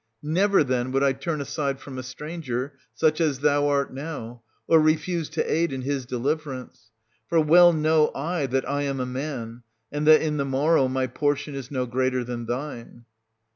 Never, then, would I turn aside from a stranger, such as thou art now, or refuse to aid in his deliverance; for well know I that I am a man, and that in the morrow my portion is no greater than thine.